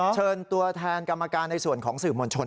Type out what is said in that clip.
เชิญตัวแทนกรรมการในส่วนของสื่อมวลชน